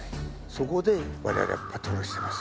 そこで我々がパトロールしてます。